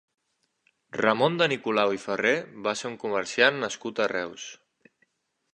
Ramon de Nicolau i Ferrer va ser un comeciant nascut a Reus.